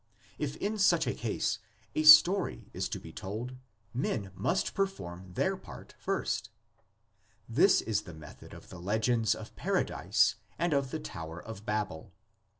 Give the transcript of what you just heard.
If in such a case a "story" is to be told, men must perform their part first. This is the method of the legends of Paradise and of the Tower of Babel.